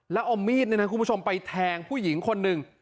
แล้วเอามีดไปแทงผู้หญิงคนหนึ่ง